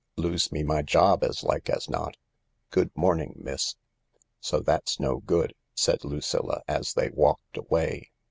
Lose me my job as like as not. Good morning, miss." " So that's no good," said Lucilla, as they walked away.